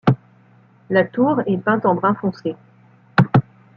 La tour est peinte en brun foncé.